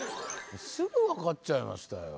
すぐ分かっちゃいましたよ。